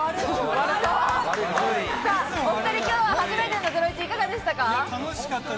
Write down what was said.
お２人、今日は初めての『ゼロイチ』いかがでしたか？